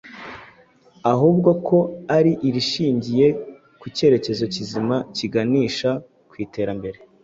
Ahubwo ko ari irishingiye ku kerekezo kizima kiganisha ku iterambere;